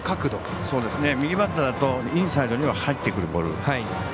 右バッターだとインサイドには入ってくるボール。